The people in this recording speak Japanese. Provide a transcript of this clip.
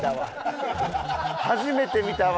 初めて見たわ！